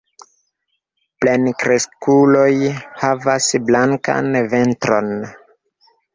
Plenkreskuloj havas blankan ventron.